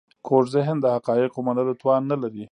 کوږ ذهن د حقایقو منلو توان نه لري